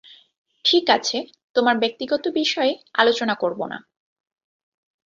ঠিক আছে, তোমার ব্যক্তিগত বিষয়ে আলোচনা করব না।